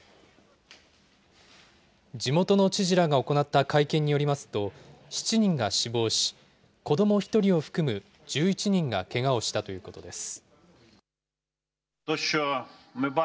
地元の知事らが行った会見によりますと、７人が死亡し、子ども１人を含む１１人がけがをしたということです。